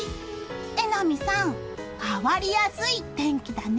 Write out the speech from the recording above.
榎並さん、変わりやすい天気だね。